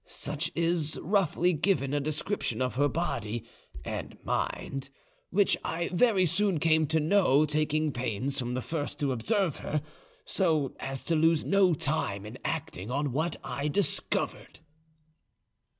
Such is, roughly given, a description of her body and mind, which I very soon came to know, taking pains from the first to observe her, so as to lose no time in acting on what I discovered."